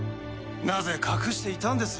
なぜ隠していたんです？